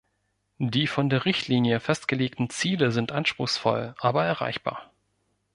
Die von der Richtlinie festgelegten Ziele sind anspruchsvoll, aber erreichbar.